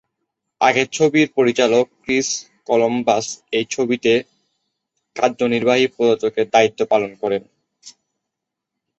আগের ছবির পরিচালক ক্রিস কলম্বাস এই ছবিতে কার্যনির্বাহী প্রযোজকের দায়িত্ব পালন করেন।